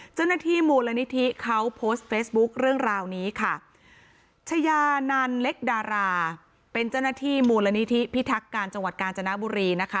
เจ้าหน้าที่มูลนิธิเขาโพสต์เฟซบุ๊คเรื่องราวนี้ค่ะชายานันเล็กดาราเป็นเจ้าหน้าที่มูลนิธิพิทักการจังหวัดกาญจนบุรีนะคะ